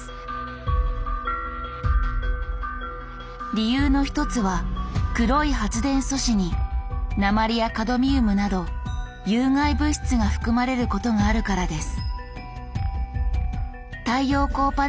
理由の一つは黒い「発電素子」に鉛やカドミウムなど有害物質が含まれることがあるからです。